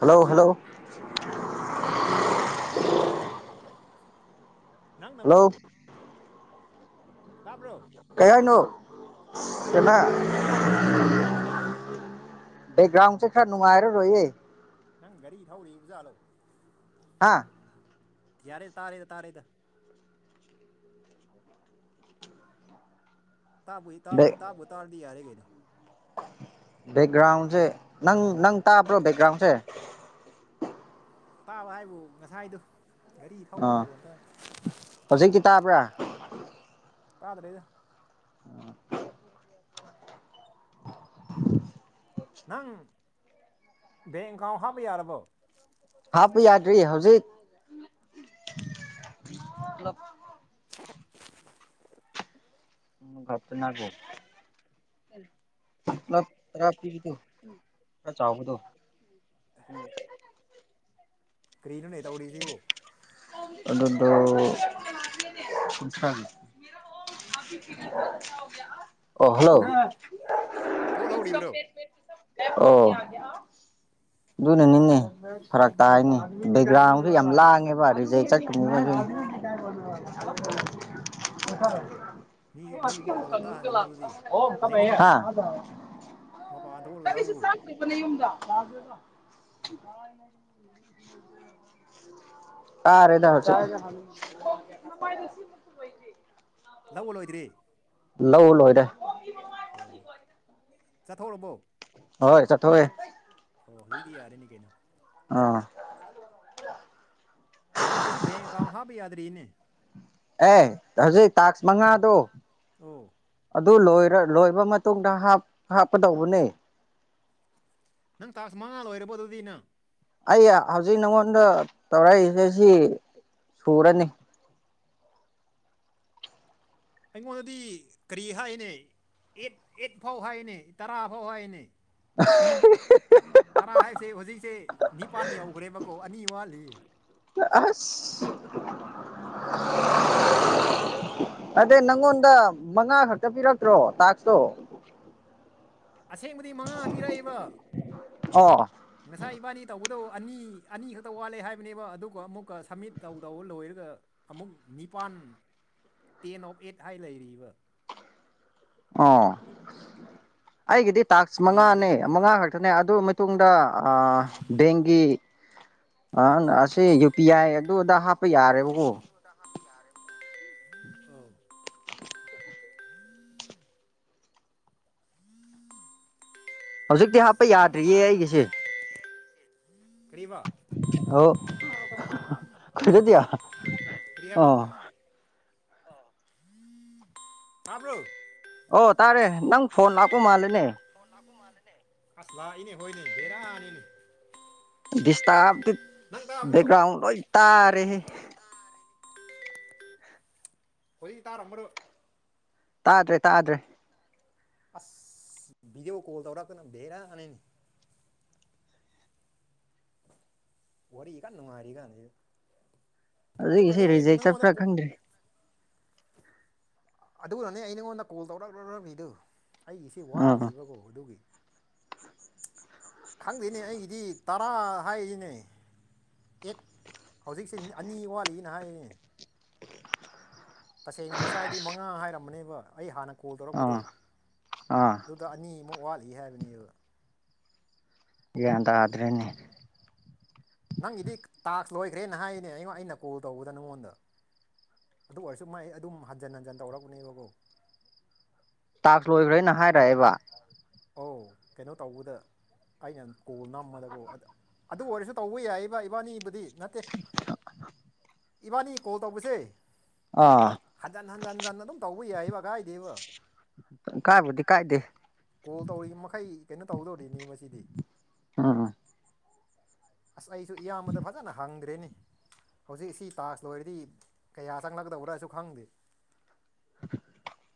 hello hello [unintelligible] ꯅꯪꯅ ꯀꯣ hello ꯀꯩ ꯍꯥꯢꯅꯣ ꯇꯥꯔꯦ ꯀꯅꯥ ꯕꯦꯛꯒ꯭ꯔꯥꯎꯟ ꯁꯦ ꯈꯔꯅꯅꯨꯡꯉꯔ ꯔꯣꯢꯌꯦ ꯅꯪ ꯒꯔꯤ ꯊꯧꯔꯤꯕ ꯖꯠꯂꯣ ꯍꯥꯥ ꯌꯥꯔꯦ ꯇꯥꯔꯦꯗ ꯇꯥꯔꯦꯗ ꯇꯥꯕꯨꯏ ꯇꯥꯕ ꯕꯦꯛ ꯇꯥꯕꯨ ꯇꯥꯔꯗꯤ ꯌꯥꯔꯦ ꯀꯩꯅꯣ ꯕꯦꯛꯒ꯭ꯔꯥꯎꯟꯁꯦ ꯅꯪ ꯅꯪ ꯇꯥꯕ꯭ꯔꯣ ꯕꯦꯛꯒ꯭ꯔꯥꯎꯟꯁꯦ ꯇꯥꯕ ꯍꯥꯏꯕꯨ ꯉꯁꯥꯏꯗꯨ ꯒꯥꯔꯤ ꯊꯧꯕ ꯑꯥ ꯃꯈꯣꯟ ꯇꯥꯏ ꯍꯧꯖꯤꯛꯇꯤ ꯇꯥꯕ꯭ꯔꯥ ꯇꯥꯗ꯭ꯔꯦꯗ [inaudible] ꯅꯪ ꯕꯦꯡꯛ ꯑꯦꯀꯥꯎꯟ ꯍꯥꯞꯄ ꯌꯥꯔꯕꯣ ꯍꯥꯞꯄ ꯌꯥꯗ꯭ꯔꯤ ꯍꯧꯖꯤꯛ [unintelligible] [unintelligible] ꯈꯔ ꯆꯥꯎꯕꯗꯣ [unintelligible] ꯀ꯭ꯔꯤꯅꯣꯅꯦ ꯇꯧꯔꯤꯁꯤꯕꯨ ꯑꯗꯨꯗꯣ ꯀꯨꯟꯊ꯭ꯔꯥꯅꯦ ꯑꯣ ꯍꯜꯂꯣ ꯄꯣꯠ ꯂꯧꯔꯤꯕ꯭ꯔꯣ ꯑꯣ ꯑꯗꯨꯅꯅꯤꯅꯦ ꯐꯔꯛ ꯇꯥꯔꯅꯤ ꯕꯦꯛꯒ꯭ꯔꯥꯎꯟꯗꯨ ꯌꯥꯝ ꯂꯥꯡꯉꯦꯕ ꯔꯤꯖꯦꯛ ꯆꯠꯈꯤꯅꯤ ꯃꯤ ꯃꯤ ꯃꯈꯣꯟ ꯇꯥꯍꯟꯒꯅꯨ ꯑꯗꯨꯗꯤ [inaudible] ꯂꯦꯞꯊꯣꯛꯎ ꯍꯥ ꯃꯄꯥꯟ ꯊꯣꯛꯂꯒ ꯀꯔꯤꯁꯨ ꯂꯧꯎ ꯆꯥꯔꯛꯇ꯭ꯔꯤꯕꯅꯦ ꯌꯨꯝꯗ ꯇꯥꯔꯦꯗ ꯍꯧꯖꯤꯛ [unintelligible] ꯂꯧꯕ ꯂꯣꯏꯗ꯭ꯔꯤ ꯂꯧꯕ ꯂꯣꯏꯔꯦ ꯑꯣ ꯆꯠꯊꯣꯛꯔꯕꯣ ꯍꯣꯏ ꯆꯠꯊꯣꯛꯑꯦ ꯑꯣ ꯍꯨꯖꯤꯛꯇꯤ ꯌꯥꯔꯦꯅꯦ ꯀꯩꯅꯣ ꯑꯥ ꯑꯩꯁꯨ ꯕꯦꯡꯛ ꯑꯦꯀꯥꯎꯟ ꯍꯥꯞꯄ ꯌꯥꯗ꯭ꯔꯤꯅꯦ ꯑꯦ ꯍꯧꯖꯤꯛ ꯇꯥꯛꯁ ꯃꯉꯥꯗꯣ ꯑꯧ ꯑꯗꯨ ꯂꯣꯏꯔ ꯂꯣꯏꯕ ꯃꯇꯨꯡꯗ ꯍꯥꯞ ꯍꯥꯞꯀꯗꯧꯕꯅꯦ ꯅꯪ ꯇꯥꯛꯁ ꯃꯉꯥ ꯂꯣꯏꯔꯕꯣ ꯑꯗꯨꯗꯤ ꯅꯪ ꯑꯩ ꯍꯧꯖꯤꯛ ꯅꯉꯣꯟꯗ ꯇꯧꯔꯛꯏꯁꯦ ꯁꯤ ꯁꯨꯔꯅꯤ [inaudible] ꯑꯩꯉꯣꯟꯗꯗꯤ ꯀꯔꯤ ꯍꯥꯏꯅꯦ ꯑꯦꯠ ꯑꯦꯠ ꯐꯥꯎ ꯍꯥꯏꯅꯦ ꯇꯔꯥ ꯐꯥꯎ ꯍꯥꯏꯅꯦ [unintelligible] ꯇꯥꯔꯥ ꯍꯥꯏꯁꯦ ꯍꯨꯖꯤꯛꯁꯦ ꯅꯤꯄꯥꯟ ꯌꯧꯒ꯭ꯔꯦꯕꯀꯣ ꯑꯅꯤ ꯋꯥꯠꯂꯤ ꯑꯁ ꯑꯗꯩ ꯅꯪꯉꯣꯟꯗ ꯃꯉꯥ ꯈꯛꯇ ꯄꯤꯔꯛꯇ꯭ꯔꯣ ꯇꯥꯛꯁꯇꯣ ꯑꯁꯦꯡꯕꯗꯤ ꯃꯉꯥ ꯄꯤꯔꯛꯏꯕ ꯑꯣ ꯉꯁꯥꯏ ꯏꯕꯥꯅꯤ ꯇꯧꯕ ꯗꯣ ꯑꯅꯤ ꯑꯅꯤ ꯈꯛꯇ ꯋꯥꯠꯂꯦ ꯍꯥꯏꯕꯅꯦꯕ ꯑꯗꯨꯒ ꯑꯃꯨꯛꯀ ꯁꯕꯃꯤꯠ ꯇꯧꯗꯧꯕ ꯂꯣꯏꯔꯒ ꯑꯃꯨꯛ ꯅꯤ ꯄꯥꯥꯟ ꯇꯦꯟ ꯑꯣꯐ ꯑꯦꯠ ꯍꯥꯏ ꯂꯩꯔꯤꯕ ꯑꯣ ꯑꯩꯒꯤꯗꯤ ꯇꯥꯛꯁ ꯀꯔꯤꯒꯤꯔ ꯃꯉꯥꯅꯦ ꯈꯪꯗꯦ ꯃꯉꯥ ꯈꯛꯇꯅꯦ ꯑꯗꯨ ꯃꯇꯨꯡꯗ ꯑꯥ ꯕꯦꯡꯒꯤ ꯑꯥ ꯑꯁꯤ ꯌꯨ ꯄꯤ ꯑꯥꯏ ꯑꯗꯨ ꯑꯗ ꯍꯥꯞꯄ ꯌꯥꯔꯦꯕꯀꯣ ꯑꯧ [inaudible] ꯍꯧꯖꯤꯛꯇꯤ ꯑꯁ ꯍꯥꯞꯄ ꯌꯥꯗ꯭ꯔꯤꯌꯦ ꯗꯁꯥꯅꯤ ꯑꯩꯒꯤꯁꯦ ꯀꯔꯤꯕ ꯑꯣ ꯑꯗꯨꯗꯤ [unintelligible] ꯑꯣ ꯇꯥꯔꯦ ꯅꯪ ꯐꯣꯟ ꯂꯥꯛꯄ ꯃꯥꯜꯂꯦꯅꯦ ꯐꯣꯟ ꯂꯥꯛꯄ ꯃꯥꯜꯂꯤꯅꯦ ꯂꯥꯛꯏꯅꯦ ꯍꯣꯏꯅꯦ ꯕꯦꯔꯥꯅꯤꯅꯦ ꯗꯤꯁꯇꯥꯞꯇꯤ ꯅꯪ ꯇꯥꯕ꯭ꯔꯣ ꯕꯦꯛꯒ꯭ꯔꯥꯎꯟ ꯂꯣꯏ ꯇꯥꯔꯦꯍꯦ ꯋꯥꯔꯤ ꯇꯔꯝꯃꯔꯣꯏ ꯇꯥꯗ꯭ꯔꯦ ꯇꯥꯗ꯭ꯔꯦ ꯑꯁ ꯕꯤꯗꯤꯑꯣ ꯀꯣꯜ ꯇꯧꯔꯛꯀꯅꯨ ꯕꯦꯔꯅꯤꯅꯦ ꯋꯥꯔꯤ ꯀꯟꯅ ꯅꯨꯡꯉꯥꯔꯤ ꯀꯥꯟꯁꯤꯗ ꯑꯗꯨꯒꯤꯁꯨ ꯑꯗꯨꯅꯅꯦ ꯑꯩ ꯔꯤꯖꯦꯛ ꯅꯪꯉꯣꯟꯗ ꯆꯠꯄ꯭ꯔꯥ ꯈꯪꯗ꯭ꯔꯦ ꯑꯗꯨꯅꯅꯦ ꯑꯩ ꯅꯉꯣꯟꯗ ꯀꯣꯜ ꯇꯧꯔꯛꯂꯝꯃꯤꯗꯨ ꯑꯩꯒꯤꯁꯤ ꯑꯥ ꯋꯥꯠꯂꯤꯕꯀꯣ ꯑꯗꯨꯒꯤ [inaudible] ꯈꯪꯗꯦꯅꯦ ꯑꯩꯒꯤꯗꯤ ꯇꯔꯥ ꯍꯥꯏꯔꯤꯅꯦ ꯑꯦꯠ ꯍꯧꯖꯤꯛꯁꯦ ꯑꯅꯤ ꯋꯥꯠꯂꯤꯅ ꯍꯥꯏꯔꯤꯅꯦ ꯇꯁꯦꯡꯅ ꯉꯁꯥꯏꯗꯤ ꯑꯁ ꯃꯉꯥ ꯍꯥꯏꯔꯝꯕꯅꯦꯕ ꯑꯩ ꯍꯥꯟꯅ ꯀꯣꯜ ꯇꯧꯔꯛꯄꯗꯣ ꯑꯥ ꯑꯥ ꯑꯗꯨꯗ ꯑꯅꯤ ꯑꯃꯨꯛ ꯋꯥꯠꯂꯤ ꯍꯥꯏꯕꯅꯦꯕ ꯒ꯭ꯌꯥꯟ ꯇꯥꯗ꯭ꯔꯦꯅꯦ ꯅꯪꯒꯤꯗꯤ ꯇꯥꯛꯁ ꯂꯣꯏꯈ꯭ꯔꯦꯅ ꯍꯥꯏꯅꯦ ꯑꯩꯉ ꯑꯩꯅ ꯀꯣꯜ ꯇꯧꯕꯗ ꯅꯪꯉꯣꯟꯗ ꯑꯗꯨ ꯑꯣꯏꯔꯁꯨ ꯃꯥꯏ ꯑꯗꯨꯝ ꯍꯟꯖꯤꯟ ꯍꯟꯖꯤꯟ ꯇꯧꯔꯛꯄꯅꯦꯕꯕꯨ ꯇꯥꯛꯁꯨ ꯂꯣꯏꯈ꯭ꯔꯅ ꯍꯥꯏꯔꯛꯑꯦꯕ ꯑꯣ ꯀꯩꯅꯣ ꯇꯧꯕꯗ ꯑꯩꯅ ꯀꯣꯜ ꯅꯝꯃꯗꯀꯣ ꯑꯗ ꯑꯗꯨ ꯑꯣꯏꯔꯁꯨ ꯇꯧꯕ ꯌꯥꯏꯕ ꯏꯕꯥꯅꯤꯕꯨꯗꯤ ꯅꯠꯇꯦ ꯏꯕꯥꯅꯤ ꯀꯣꯜ ꯇꯧꯕꯁꯦ ꯑꯥ ꯍꯟꯖꯟ ꯍꯟꯖꯤꯟ ꯍꯟꯖꯟ ꯑꯗꯨꯝ ꯇꯧꯕ ꯌꯥꯏꯕ ꯀꯥꯏꯗꯦꯕ ꯀꯥꯏꯕꯣꯗꯤ ꯀꯥꯏꯗꯦ ꯀꯣꯜ ꯇꯧꯔꯤ ꯃꯈꯩ ꯀꯩꯅꯣ ꯇꯧꯗꯧꯔꯤꯅꯤ ꯃꯁꯤꯗꯤ ꯎꯝ ꯑꯁ ꯑꯩꯁꯨ ꯏꯌꯥꯝꯕꯗ ꯐꯖꯅ ꯍꯪꯗ꯭ꯔꯦꯅꯦ ꯍꯧꯖꯤꯛꯁꯤ ꯇꯥꯛꯁ ꯂꯣꯏꯔꯗꯤ ꯀꯌꯥ ꯆꯪꯂꯗꯕ꯭ꯔꯥꯁꯨ ꯈꯪꯗꯦ [inaudible]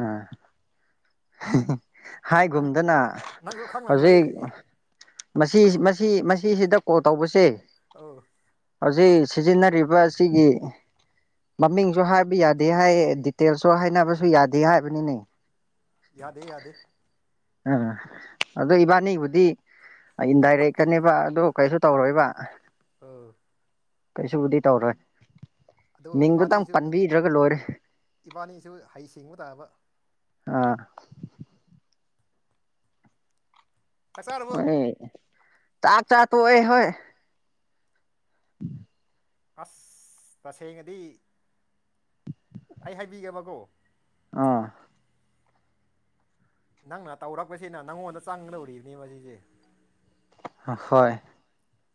ꯑꯥ ꯍꯤꯍꯤ ꯅꯪ ꯍꯥꯏꯒꯨꯝꯗꯅ ꯅꯪꯁꯨ ꯈꯪꯂꯝꯂꯣꯏ ꯍꯧꯖꯤꯛ ꯑꯦ ꯃꯁꯤ ꯃꯁꯤ ꯃꯁꯤꯁꯤꯗ ꯀꯣꯜ ꯇꯧꯕꯁꯦ ꯑꯧ ꯍꯧꯖꯤꯛ ꯁꯤꯖꯤꯟꯅꯔꯤꯕ ꯑꯁꯤꯒꯤ ꯃꯃꯤꯡꯁꯨ ꯍꯥꯏꯕ ꯌꯥꯗꯦ ꯍꯥꯏ ꯗꯤꯇꯦꯜꯁꯨ ꯍꯥꯏꯅꯕꯁꯨ ꯌꯥꯗꯦ ꯍꯥꯏꯕꯅꯤꯅꯦ ꯌꯥꯗꯦ ꯌꯥꯗꯦ ꯑꯥ ꯑꯗꯣ ꯏꯕꯥꯅꯤꯕꯨꯗꯤ ꯏꯟꯗꯥꯏꯔꯦꯛꯀꯅꯦꯕ ꯑꯗꯨ ꯀꯩꯁꯨ ꯇꯧꯔꯣꯏꯕ ꯎꯝ ꯀꯩꯁꯨꯕꯨꯗꯤ ꯇꯧꯔꯣꯏ ꯑꯗꯨꯒ ꯃꯤꯡꯗꯨꯇꯪ ꯏꯕꯥꯅꯤꯁꯨ ꯄꯟꯕꯤꯗ꯭ꯔꯒ ꯂꯣꯏꯔꯦ ꯏꯕꯥꯅꯤꯁꯨ ꯍꯩ ꯁꯤꯡꯕ ꯇꯥꯕ ꯑꯥ ꯆꯥꯛ ꯆꯥꯔꯕꯣ ꯑꯣꯛꯑꯦ ꯆꯥꯛ ꯆꯥ ꯇꯣꯛꯑꯦ ꯍꯣꯏ ꯑꯁ ꯇꯁꯦꯡꯅꯗꯤ ꯑꯩ ꯍꯥꯏꯕꯤꯒꯦꯕꯀꯣ ꯑꯥ ꯅꯪꯅ ꯇꯧꯔꯛꯄꯁꯤꯅ ꯅꯪꯉꯣꯟꯗ ꯆꯪꯒꯗꯧꯔꯤꯕꯅꯤꯕ ꯃꯁꯤꯖꯦ ꯍ ꯍꯣꯏ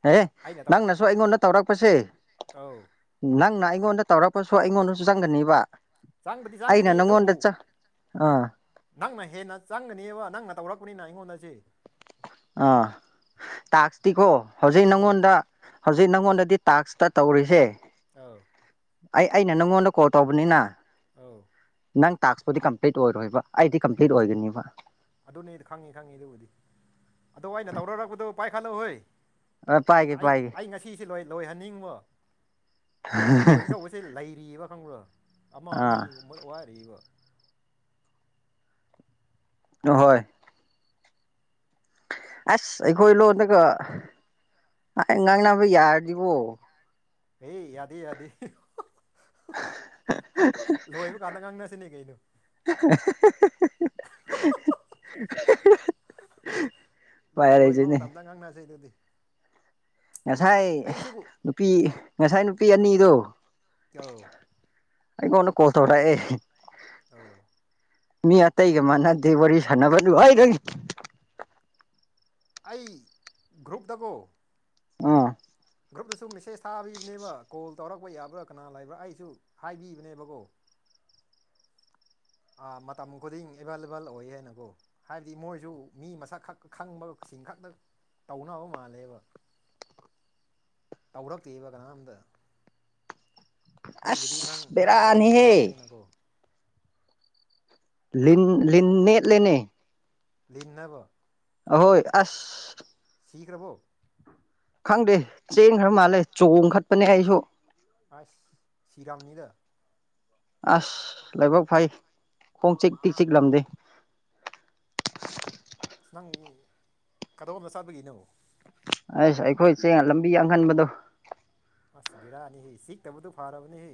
ꯍꯦ ꯑꯩꯅ ꯇꯧ ꯅꯪꯅꯁꯨ ꯑꯩꯉꯣꯟꯗ ꯇꯧꯔꯛꯄꯁꯦ ꯑꯧ ꯅꯪꯅ ꯑꯩꯉꯣꯟꯗ ꯇꯧꯔꯛꯄꯁꯨ ꯑꯩꯉꯣꯟꯗꯁꯨ ꯆꯪꯒꯅꯤꯕ ꯆꯪꯕꯗꯤ ꯆꯪꯒꯅꯤ ꯑꯩꯅ ꯅꯪꯉꯣꯟꯗ ꯑꯗꯨꯕꯨ ꯆ ꯑꯥ ꯅꯪꯅ ꯍꯦꯟꯅ ꯆꯪꯒꯅꯤꯕ ꯅꯪꯅ ꯇꯧꯔꯛꯄꯅꯤꯅ ꯑꯩꯉꯣꯟꯗ ꯁꯤ ꯑꯥ ꯇꯥꯛꯁꯇꯤꯀꯣ ꯍꯧꯖꯤꯛ ꯑꯧ ꯅꯪꯉꯣꯟꯗ ꯍꯧꯖꯤꯛ ꯅꯪꯉꯣꯟꯗꯗꯤ ꯇꯥꯛꯁꯇ ꯇꯧꯔꯤꯁꯦ ꯑꯧ ꯑꯩ ꯑꯩꯅ ꯅꯪꯉꯣꯟꯗ ꯀꯣꯜ ꯇꯧꯕꯅꯤꯅ ꯑꯧ ꯅꯪ ꯇꯥꯛꯁꯄꯨꯗꯤ ꯀꯝꯄ꯭ꯂꯤꯠ ꯑꯣꯏꯔꯣꯏꯕ ꯑꯩꯗꯤ ꯀꯝꯄ꯭ꯂꯤꯠ ꯑꯣꯏꯒꯅꯤꯕ ꯑꯗꯨꯅꯤ ꯈꯪꯉꯤ ꯈꯪꯉꯤ ꯑꯗꯨꯕꯨꯗꯤ ꯑꯗꯣ ꯑꯩꯅ ꯇꯧꯔꯔꯛꯄꯗꯨ ꯄꯥꯏꯈꯠꯂꯛꯎꯍꯩ ꯑ ꯄꯥꯏꯒꯦ ꯑꯥ ꯑꯩ ꯄꯥꯏꯒꯦ ꯑꯩ ꯉꯁꯤꯁꯦ ꯂꯣꯏ ꯂꯣꯏꯍꯟꯅꯤꯡꯕ ꯂꯣꯏꯒꯗꯧꯕꯁꯦ ꯂꯩꯔꯤꯌꯦꯕ ꯈꯪꯕ꯭ꯔꯥ ꯑꯃ ꯑꯥ ꯑꯅꯤꯒꯨꯝꯕ ꯋꯥꯔꯤꯕ ꯍꯣꯍꯣꯏ ꯑꯁ ꯑꯩꯈꯣꯏ ꯂꯣꯟꯗꯒ ꯑꯥꯢ ꯉꯥꯡꯅꯕ ꯌꯥꯔꯗꯤꯕꯣ ꯍꯦ ꯌꯥꯗꯦ ꯌꯥꯗꯦ ꯂꯣꯏꯕ ꯀꯥꯟꯗ ꯉꯥꯡꯅꯁꯦꯅꯦ ꯀꯩꯅꯣ [unintelligible] ꯎꯄꯥꯏ ꯂꯣꯏꯕ ꯂꯩꯖꯅꯤ ꯃꯇꯝꯗ ꯉꯥꯡꯅꯁꯦ ꯑꯗꯨꯗꯤ ꯉꯁꯥꯏ ꯑꯩꯁꯨ ꯅꯨꯄꯤ ꯉꯁꯥꯏ ꯅꯨꯄꯤ ꯑꯅꯤꯗꯣ ꯑꯧ ꯑꯩꯉꯣꯟꯗ ꯀꯣꯜ ꯇꯧꯔꯛꯑꯦ ꯑꯥꯎ ꯃꯤ ꯑꯇꯩꯒ ꯃꯥꯟꯅꯗꯦ ꯋꯥꯔꯤ ꯁꯥꯟꯅꯕꯗꯨ ꯑꯥꯢꯗꯩ ꯑꯩ ꯒ꯭ꯔꯨꯨꯞꯇꯀꯣ ꯎꯝ ꯒ꯭ꯔꯨꯞꯇꯁꯨ ꯃꯦꯁꯦꯁ ꯊꯥꯕꯤꯕꯅꯦꯕ ꯀꯣꯜ ꯇꯧꯔꯛꯄ ꯌꯥꯕ꯭ꯔꯥ ꯀꯅꯥ ꯂꯩꯕ꯭ꯔꯥ ꯑꯩꯁꯨ ꯍꯥꯏꯕꯤꯕꯅꯦꯕꯀꯣ [inaudible] ꯑ ꯃꯇꯝ ꯈꯨꯗꯤꯡ ꯑꯦꯚꯥꯏꯂꯦꯕꯜ ꯑꯣꯏꯌꯦ ꯍꯥꯏꯅꯀꯣ ꯍꯥꯏꯕꯗꯤ ꯃꯣꯏꯁꯨ ꯃꯤ ꯃꯁꯛ ꯈꯛ ꯈꯪꯕ ꯁꯤꯡ ꯈꯛꯇ ꯇꯧꯅꯕ ꯃꯥꯜꯂꯦꯕ [inaudible] ꯇꯧꯔꯛꯇꯦꯕ ꯀꯅꯥꯝꯇ ꯑꯩꯕꯨꯗꯤ ꯅꯪ ꯑꯁ ꯅꯪ ꯑꯣꯏꯕꯒꯤ ꯕꯦꯔꯥꯅꯤꯍꯦ ꯇꯧꯔꯛꯄꯅꯦꯅꯀꯣ ꯂꯤꯟ ꯂꯤꯟ ꯅꯦꯠꯂꯦꯅꯦ ꯂꯤꯟꯅꯕ ꯑꯍꯣꯏ ꯑꯁ ꯁꯤꯈ꯭ꯔꯕꯣ ꯈꯪꯗꯦ ꯆꯦꯟꯈ꯭ꯔꯕ ꯃꯥꯜꯂꯦ ꯆꯣꯡꯈꯠꯄꯅꯦ ꯑꯩꯁꯨ ꯑꯁ ꯁꯤꯔꯝꯅꯤꯗ ꯑꯁ ꯂꯥꯏꯕꯛ ꯐꯩ ꯈꯣꯡ ꯆꯤꯛꯇꯤ ꯆꯤꯛꯂꯝꯗꯦ [inaudible] ꯑꯁ ꯅꯪ ꯀꯗꯣꯝꯗ ꯆꯠꯄꯒꯤꯅꯣ ꯑꯁ ꯑꯩꯈꯣꯏ ꯆꯦ ꯂꯝꯕꯤ ꯑꯉꯝꯕꯗꯣ ꯑꯁ ꯕꯤꯔꯥꯅꯤꯍꯦ ꯆꯤꯛꯇꯕꯗꯨ ꯐꯔꯕꯅꯤ ꯍꯦ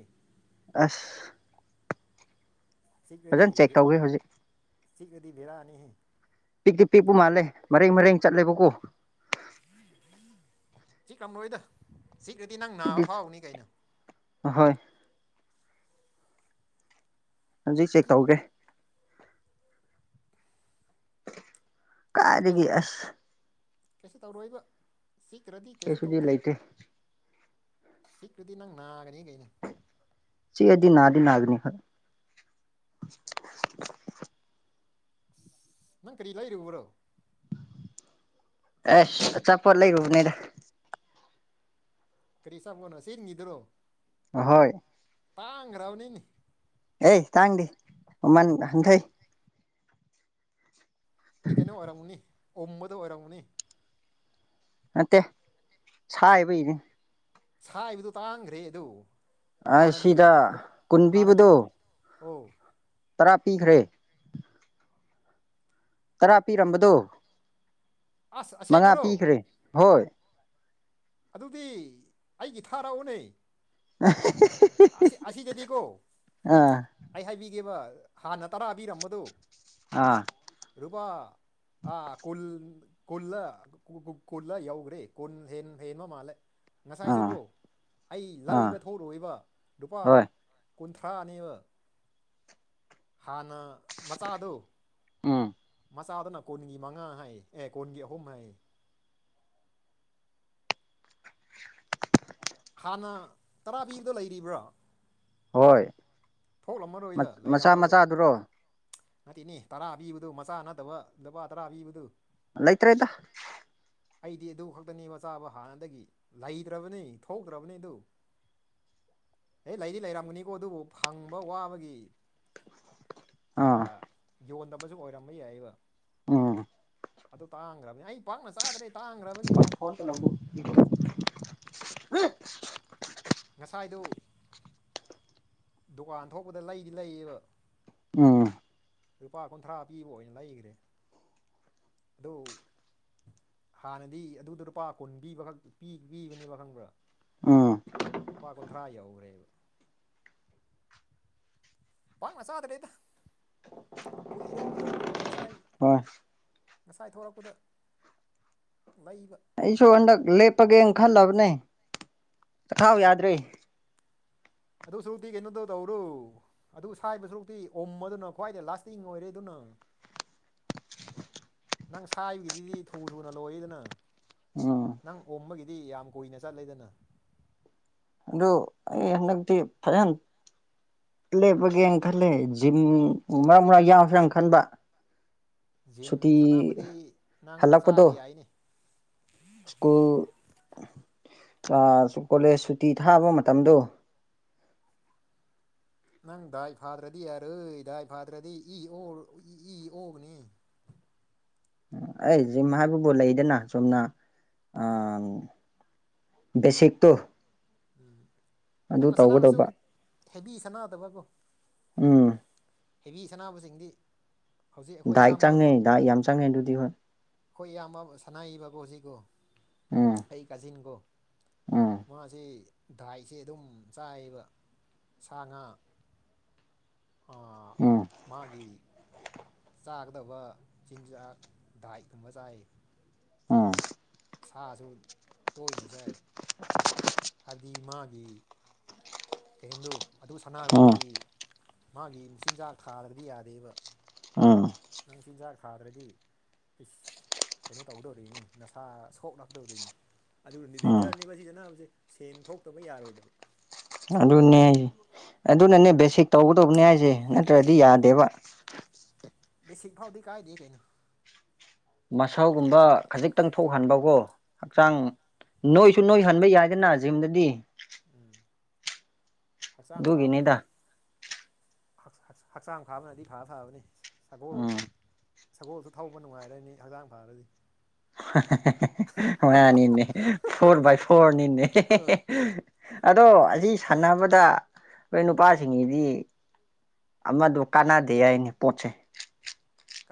ꯑꯁ ꯆꯤꯛꯑꯗꯤ ꯐꯖꯅ ꯆꯦꯛ ꯇꯧꯒꯦ ꯍꯧꯖꯤꯛ ꯆꯤꯛꯑꯗꯤ ꯕꯦꯔꯥꯅꯤꯍꯦ ꯄꯤꯛꯇꯤ ꯄꯤꯛꯄ ꯃꯥꯜꯂꯦ ꯃꯔꯦꯡ ꯃꯔꯦꯡ ꯆꯠꯂꯦꯕꯀꯣ ꯆꯤꯛꯔꯝꯂꯣꯏꯗ ꯆꯤꯛꯔꯗꯤ ꯅꯪ ꯅꯥꯕ ꯁꯤꯗꯤ ꯐꯥꯎꯒꯅꯤ ꯀꯩꯅꯣ ꯑꯍꯣꯏ ꯍꯧꯖꯤꯛ ꯆꯦꯛ ꯀꯩꯁꯨ ꯇꯧꯒꯦ ꯀꯥꯏꯗꯒꯤ ꯑꯁ ꯀꯩꯁꯨ ꯇꯧꯔꯣꯏꯕ ꯆꯤꯛꯈ꯭ꯔꯗꯤ ꯀꯩꯁꯨ ꯀꯩꯁꯨꯨꯗꯤ ꯇꯧꯗꯦ ꯂꯩꯥꯇꯦ ꯆꯤꯛꯈ꯭ꯔꯗꯤ ꯅꯪ ꯅꯥꯒꯅꯤ ꯀꯩꯅ ꯆꯤꯛꯑꯗꯤ ꯅꯥꯗꯤ ꯅꯥꯒꯅꯤ ꯍꯣꯏ ꯅꯪ ꯀꯔꯤ ꯂꯩꯔꯨꯕ꯭ꯔꯣ ꯑꯁ ꯑꯆꯥꯄꯣꯠ ꯂꯩꯔꯨꯕꯅꯤꯗ ꯀꯔꯤ ꯑꯆꯄꯣꯠꯅꯣ ꯆꯤꯡꯒꯤꯗꯨꯔꯣ ꯑꯍꯣꯏ ꯇꯥꯡꯈ꯭ꯔꯥꯕꯅꯤꯅꯦ ꯑꯦ ꯇꯥꯡꯗꯦ ꯃꯃꯜ ꯍꯟꯊꯩ ꯑꯥ ꯀꯩꯅꯣ ꯑꯣꯏꯔꯝꯒꯅꯤ ꯎꯝꯕꯗꯣ ꯑꯣꯏꯔꯝꯒꯅꯤ ꯅꯠꯇꯦ ꯁꯥꯏꯕꯩꯅꯤ ꯁꯥꯏꯕꯗꯨ ꯇꯥꯡꯈ꯭ꯔꯦ ꯑꯗꯨ ꯍꯥꯟꯅꯗꯤ ꯑꯁꯤꯗ ꯂꯨꯄꯥ ꯀꯨꯟ ꯍꯥꯟꯅꯗꯤ ꯄꯤꯕꯗꯣ ꯑꯣ ꯇꯔꯥ ꯄꯤꯈ꯭ꯔꯦ ꯇꯔꯥ ꯄꯤꯔꯝꯕꯗꯣ ꯑꯁ ꯃꯉꯥ ꯑꯁꯦꯡꯕꯔꯣ ꯄꯤꯈ꯭ꯔꯦ ꯍꯣꯏ ꯑꯗꯨꯗꯤ ꯑꯩꯒꯤ ꯊꯥꯔꯛꯎꯅꯦ ꯑꯥ ꯍꯤꯍꯤꯍꯤ ꯑꯁꯤꯗꯗꯤꯀꯣ ꯑꯥ ꯑꯩ ꯍꯥꯏꯕꯤꯒꯦꯕ ꯍꯥꯟꯅ ꯇꯔꯥꯕꯤꯔꯝꯕꯗꯨ ꯑꯥ ꯂꯨꯄꯥ ꯑꯥ ꯈꯨꯜ ꯈꯨꯜꯂ ꯈꯨꯜꯂ ꯌꯥꯎꯈ꯭ꯔꯦ ꯈꯨꯜ ꯍꯦꯟꯕ ꯃꯥꯂꯦ ꯑꯥ ꯉꯁꯥꯏꯁꯨꯀꯣ ꯑꯩ ꯑꯥ ꯂꯥꯛꯏꯕ ꯊꯣꯛꯔꯨꯏꯕ ꯂꯨꯄꯥ ꯍꯣꯏ ꯀꯨꯟꯊ꯭ꯔꯥ ꯅꯤꯕ ꯍꯥꯟꯅ ꯃꯆꯥꯗꯣ ꯎꯝ ꯆꯥꯗꯨꯅ ꯀꯣꯟꯒꯤ ꯃꯉꯥ ꯍꯥꯏ ꯑꯦ ꯀꯣꯟꯒꯤ ꯑꯍꯨꯝ ꯍꯥꯏ ꯍꯥꯟꯅ ꯇꯔꯥ ꯄꯤꯕꯗꯣ ꯂꯩꯔꯤꯕ꯭ꯔꯥ ꯍꯣꯏ ꯊꯣꯛꯂꯝꯃꯔꯣꯏꯗ ꯃꯆꯥ ꯂꯩꯔꯝꯃꯔꯣꯏ ꯃꯆꯥꯗꯨꯔꯣ ꯅꯠꯇꯦꯅꯦ ꯇꯔꯥ ꯄꯤꯕꯗꯨ ꯃꯆꯥ ꯅꯠꯇꯕ ꯂꯄꯥ ꯇꯔꯥ ꯄꯤꯕꯗꯨ ꯂꯩꯇꯔꯦꯗ ꯑꯩꯗꯤ ꯑꯗꯨ ꯈꯛꯇꯅꯤ ꯃꯆꯥꯕ ꯍꯥꯟꯅꯗꯒꯤ ꯂꯩꯇ꯭ꯔꯕꯅꯤ ꯊꯣꯛꯇ꯭ꯔꯕꯅꯤ ꯑꯗꯨ ꯍꯦ ꯂꯩꯗꯤ ꯂꯩꯔꯝꯒꯅꯤꯀꯣ ꯑꯗꯨꯕꯨ ꯐꯪꯕ ꯋꯥꯕꯒꯤ ꯑꯥ ꯌꯣꯟꯗꯕꯁꯨ ꯑꯣꯏꯔꯝꯕ ꯌꯥꯏꯌꯦꯕ ꯎꯝ ꯑꯗꯨ ꯇꯥꯡꯒ꯭ꯔꯝꯅꯦ ꯑꯩ ꯄꯥꯛꯅ ꯆꯥꯗ꯭ꯔꯦ ꯇꯥꯡꯈ꯭ꯔꯕꯒꯤ [unintelligible] ꯉꯁꯥꯏꯗꯨ ꯗꯨꯀꯥꯟ ꯊꯣꯛꯄꯗ ꯂꯩꯗꯤ ꯂꯩꯌꯦꯕ ꯎꯝ ꯂꯨꯄꯥ ꯀꯨꯟꯊ꯭ꯔꯥ ꯄꯤꯕ ꯑꯣꯏꯅ ꯂꯩꯒ꯭ꯔꯦ [inaudible] ꯍꯥꯟꯅꯗꯤ ꯑꯗꯨꯗ ꯂꯨꯄꯥ ꯀꯨꯟ ꯄꯤꯕ ꯈꯛ ꯄꯤ ꯄꯤꯕꯅꯦꯕ ꯈꯪꯕ꯭ꯔꯥ ꯎꯝ ꯂꯨꯄꯥ ꯀꯨꯟꯊ꯭ꯔꯥ ꯌꯧꯒ꯭ꯔꯦꯕ ꯄꯥꯛꯅ ꯆꯥꯗꯔꯦꯗ ꯀꯨꯏꯔꯕ ꯃꯇꯨꯡꯗꯅꯦ ꯉꯁꯥꯏ ꯍꯣꯏ ꯉꯁꯥꯏ ꯊꯣꯔꯛꯄꯗ ꯂꯩꯕ ꯑꯩꯁꯨ ꯍꯟꯗꯛ ꯂꯦꯞꯄꯒꯦꯟ ꯈꯜꯂꯕꯅꯦ ꯆꯛꯈꯥꯎ ꯌꯥꯗ꯭ꯔꯦ ꯑꯗꯨ ꯁꯔꯨꯛꯇꯤ ꯀꯩꯅꯣꯗꯣ ꯇꯧꯔꯣ ꯑꯗꯨ ꯁꯥꯏꯕ ꯁꯔꯨꯛꯇꯤ ꯑꯣꯝꯕꯗꯨꯅ ꯈ꯭ꯋꯥꯏꯗꯩ ꯂꯥꯁꯇꯤꯡ ꯑꯣꯏꯔꯦ ꯑꯗꯨꯅ [inaudible] ꯅꯪ ꯁꯥꯏꯕꯒꯤꯗꯤꯗꯤ ꯊꯨ ꯊꯨꯅ ꯂꯣꯏꯌꯦꯗꯅ ꯎꯝ ꯅꯪ ꯑꯣꯝꯕꯒꯤꯗꯤ ꯌꯥꯝ ꯀꯨꯏꯅ ꯆꯠꯂꯦꯗꯅ ꯑꯗꯨ ꯑꯩ ꯍꯟꯗꯛꯗꯤ ꯐꯌꯥꯝ ꯂꯦꯞꯄꯒꯦꯅ ꯈꯜꯂꯦ ꯖꯤꯝ ꯃꯔꯛ ꯃꯔꯛ ꯌꯥꯎꯁꯤꯔꯥꯟ ꯈꯟꯕ ꯖꯤꯝ ꯁꯨꯇꯤ ꯁꯥꯟꯅꯕꯗꯤ ꯅꯪ ꯍꯜꯂꯛꯄꯗꯣ ꯆꯥꯕ ꯌꯥꯏꯅꯦ ꯁ꯭ꯀꯨꯜ ꯑꯥ ꯁꯨ ꯀꯣꯂꯦꯖ ꯁꯨꯇꯤ ꯊꯥꯕ ꯃꯇꯝꯗꯣ ꯅꯪ ꯗꯥꯏ ꯐꯥꯗ꯭ꯔꯗꯤ ꯌꯥꯔꯣꯏ ꯗꯥꯏ ꯐꯥꯗ꯭ꯔꯗꯤ ꯏ ꯑꯣ ꯏ ꯑꯣꯒꯅꯤ [inaudible] ꯑꯩ ꯖꯤꯝ ꯍꯥꯏꯕꯕꯨ ꯂꯩꯗꯅꯥ ꯆꯨꯝꯅ ꯑꯝ ꯕꯦꯁꯤꯛꯇꯣ ꯎꯝ ꯑꯗꯨ ꯅꯪꯅ ꯁꯥꯟꯅꯔꯁꯨ ꯇꯧꯒꯗꯧꯕ ꯍꯦꯕꯤ ꯁꯥꯟꯅꯗꯕꯀꯣ ꯎꯝ ꯍꯦꯕꯤ ꯁꯅꯥꯕꯁꯤꯡꯗꯤ ꯗꯥꯏꯠ ꯆꯪꯉꯦ ꯗꯥꯥꯢꯠ ꯌꯥꯝ ꯆꯪꯉꯦ ꯑꯗꯨꯗꯤ ꯍꯣꯏ ꯑꯈꯣꯏ ꯏꯌꯥꯝꯕ ꯑꯃ ꯁꯥꯅꯥꯌꯤꯕꯀꯣ ꯍꯨꯖꯤꯛ ꯀꯣ ꯎꯝ ꯑꯩ ꯀꯥꯖꯤꯟꯒꯣ ꯎꯝ ꯃꯥꯁꯤ ꯗꯥꯏꯁꯦ ꯑꯗꯨꯝ ꯆꯥꯏꯌꯦꯕ ꯁꯥ ꯉꯥ ꯑꯥ ꯎꯝ ꯃꯥꯒꯤ ꯆꯥꯒꯗꯕ ꯆꯤꯟꯖꯥꯛ ꯗꯥꯏꯠ ꯀꯨꯝꯕ ꯆꯥꯏ ꯎꯝ ꯁꯥꯁꯨ ꯇꯣꯏꯅ ꯆꯥꯏ ꯍꯥꯏꯕꯗꯤ ꯃꯥꯒꯤ ꯀꯩꯍꯦꯟꯗꯨ ꯑꯗꯨ ꯎꯝ ꯁꯥꯟꯅꯥꯔꯨꯕꯒꯤ ꯃꯥꯒꯤ ꯃꯆꯤꯟꯖꯥꯛ ꯊꯥꯗ꯭ꯔꯗꯤ ꯌꯥꯗꯦꯕ ꯎꯝ ꯅꯪ ꯆꯤꯟꯖꯥꯛ ꯊꯥꯗ꯭ꯔꯗꯤ ꯢꯁ ꯀꯩꯅꯣ ꯇꯧꯗꯣꯔꯤꯅꯤ ꯅꯁꯥ ꯁꯣꯛꯂꯛꯗꯧꯔꯤꯅꯤ ꯑꯗꯨꯅꯤ ꯎꯝ ꯗꯤꯟꯖꯔꯅꯤ ꯃꯁꯤ ꯑꯅꯥꯕꯁꯦ ꯁꯦꯟ ꯊꯣꯛꯇꯕ ꯌꯥꯔꯣꯏꯗꯕ ꯑꯗꯨꯅꯦ ꯍꯥꯢꯖꯦ ꯑꯗꯨꯅꯅꯦ ꯕꯦꯁꯤꯛ ꯇꯧꯒꯗꯧꯕꯅꯦ ꯍꯥꯏꯖꯦ ꯅꯠꯇ꯭ꯔꯗꯤ ꯌꯥꯗꯦꯕ ꯕꯦꯁꯤꯛ ꯐꯥꯎꯗꯤ ꯀꯥꯏꯗꯦ ꯀꯩꯩꯅꯣ ꯃꯥꯁꯜꯒꯨꯝꯕ ꯈꯖꯤꯛꯇꯪ ꯊꯣꯛꯍꯟꯕꯀꯣ ꯎꯝ ꯍꯛꯆꯥꯡ ꯅꯣꯏꯁꯨ ꯅꯣꯏ ꯍꯟꯕ ꯌꯥꯏꯗꯅ ꯖꯤꯝꯗꯗꯤ ꯎꯝ ꯍꯛꯆꯥꯡ ꯐꯕꯅꯗꯤ ꯑꯗꯨꯒꯤꯅꯤꯗ ꯍꯛꯆꯥꯡ ꯐꯥꯕꯅꯗꯤ ꯐꯥ ꯐꯕꯅꯦ ꯁꯒꯣꯜ ꯎꯝ ꯁꯒꯣꯜꯁꯨ ꯊꯧꯕ ꯅꯨꯡꯉꯥꯏꯔꯅꯤ ꯍꯛꯆꯥꯡ ꯐꯔꯗꯤ [unintelligible] ꯃꯥꯅꯤꯅꯦ ꯐꯣꯔ ꯕꯥꯏ ꯐꯣꯔꯅꯤꯅꯦ [unintelligible] ꯑꯗꯣ ꯑꯁꯤ ꯁꯥꯟꯅꯕꯗ ꯅꫭꯏ ꯎꯝ ꯅꯨꯄꯥꯁꯤꯡꯒꯤꯗꯤ ꯑꯃꯗꫭ ꯀꯥꯟꯅꯗꯦ ꯍꯥꯏꯅꯦ ꯄꯣꯠꯁꯦ